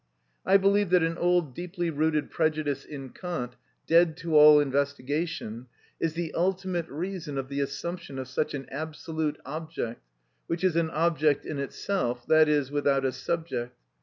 I believe that an old deeply rooted prejudice in Kant, dead to all investigation, is the ultimate reason of the assumption of such an absolute object, which is an object in itself, i.e., without a subject.